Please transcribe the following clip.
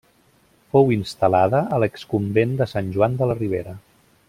Fou instal·lada a l'exconvent de Sant Joan de la Ribera.